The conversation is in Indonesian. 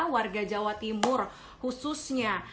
warga jawa timur khususnya